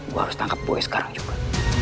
gue harus tangkap boy sekarang juga